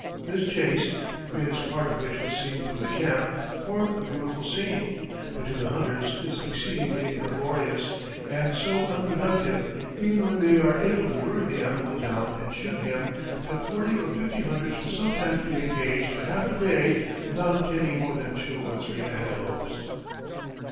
This chase, the greater part of which was seen from the camp, formed a beautiful scene; but to the hunters is exceedingly laborious, and so unproductive, even when they are able to worry the animal down and shoot him, that forty or fifty hunters will sometimes be engaged for half a day without obtaining more than two or three antelopes."